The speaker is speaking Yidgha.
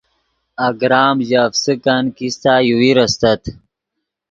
اگرام ژے افسکن کیستہ یوویر استت